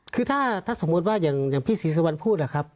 คือถ้าสมมติว่าอย่างพี่ศีรษะวานพูด